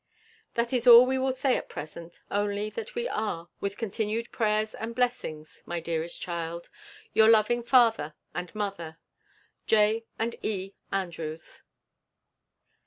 That is all we will say at present; only, that we are, with continued prayers and blessings, my dearest child, your loving father and mother, J. and E. ANDREWS.